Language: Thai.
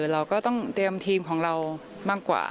เราก็ต้องเตรียมทีมของเรามากกว่า